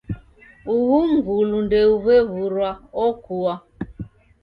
Uhu mngulu ndeuw'e w'urwa okua.